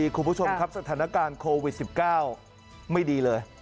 คุณผู้ชมครับสถานการณ์โควิด๑๙ไม่ดีเลย